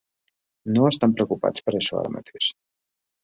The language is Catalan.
No estan preocupats per això ara mateix.